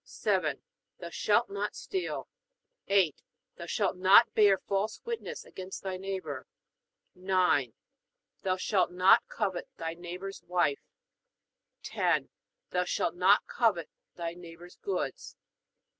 7. Thou shalt not steal. 8. Thou shalt not bear false witness against thy neighbor. 9. Thou shalt not covet thy neighbor's wife. 10. Thou shalt not covet thy neighbor's goods.